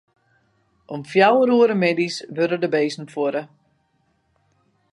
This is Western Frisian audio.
Om fjouwer oere middeis wurde de bisten fuorre.